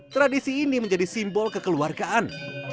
tradisi ini menjadi simbol kekeluargaan